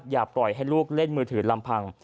อย่าปล่อยให้ลูกเล่นมือถือลำพัง